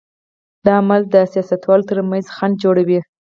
دا عامل د سیاستوالو تر منځ خنډ جوړوي.